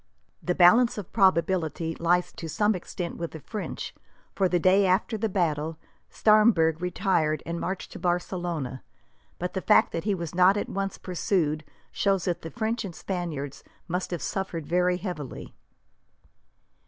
The balance of probability lies to some extent with the French, for the day after the battle, Staremberg retired and marched to Barcelona; but the fact that he was not at once pursued shows that the French and Spaniards must have suffered very heavily.